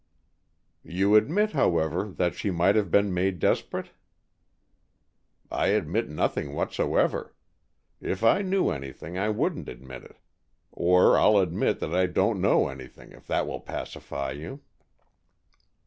"You admit, however, that she might have been made desperate?" "I admit nothing whatsoever. If I knew anything I wouldn't admit it. Or I'll admit that I don't know anything, if that will pacify you."